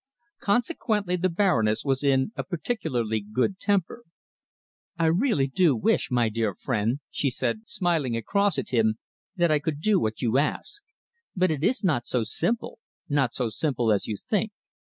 Consequently the Baroness was in a particularly good temper. "I really do wish, my dear friend," she said, smiling across at him, "that I could do what you ask. But it is not so simple, not so simple as you think.